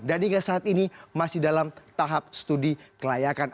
dan hingga saat ini masih dalam tahap studi kelayakan